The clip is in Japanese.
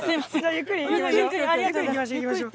ゆっくり行きましょう。